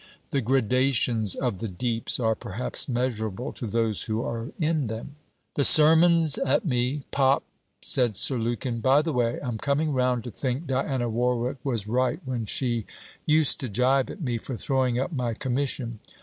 'The gradations of the deeps are perhaps measurable to those who are in them.' 'The sermon's at me pop!' said Sir Lukin. 'By the way, I'm coming round to think Diana Warwick was right when she used to jibe at me for throwing up my commission.